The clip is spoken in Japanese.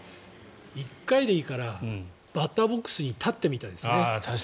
１回でいいからバッターボックスに立ってみたいですね。